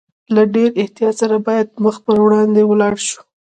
له ډېر احتیاط سره باید مخ پر وړاندې ولاړ شو.